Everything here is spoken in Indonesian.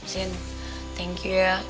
sin thank you ya